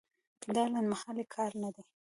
دا لنډمهالی کار نه دی.